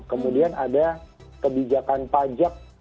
kemudian ada kebijakan pajak